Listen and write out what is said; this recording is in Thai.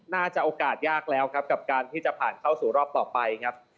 น่าจะโอกาสยากแล้วครับกับการที่จะผ่านเข้าสู่รอบต่อไปครับ